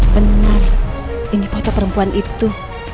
benar ini foto perempuan itu